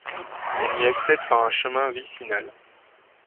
On y accède par un chemin vicinal.